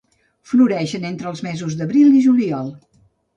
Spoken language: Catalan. Floreix entre els mesos d'abril i juliol.